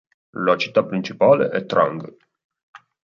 La città principale è Trang.